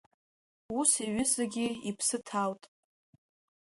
Ус иҩызагьы иԥсы ҭалт.